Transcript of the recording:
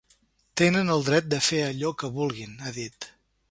Tenen el dret de fer allò que vulguin, ha dit.